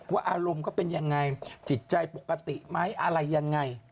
ว่าอารมณ์เขาเป็นอย่างไรจิตใจปกติไหมอะไรยังไง